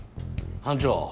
班長！